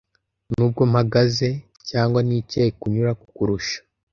Nubwo mpagaze cyangwa nicaye kunyura kukurusha.